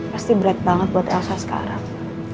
pasti berat banget buat elsa sekarang